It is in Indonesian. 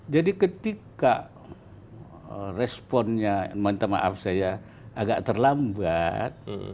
jadi ketika responnya mohon maaf saya agak terlambat